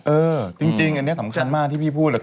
เออจริงอันนี้สำคัญมากที่พี่พูด